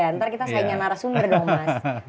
nanti kita saingan narasumber dong mas